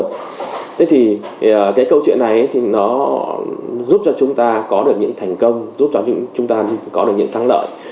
thế thì cái câu chuyện này thì nó giúp cho chúng ta có được những thành công giúp cho chúng ta có được những thắng lợi